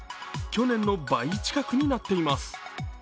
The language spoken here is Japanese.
去年の倍近くになっています。